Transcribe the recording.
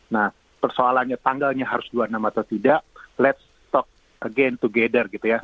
nah persoalannya tanggalnya harus dua puluh enam atau tidak ⁇ lets ⁇ talk again together gitu ya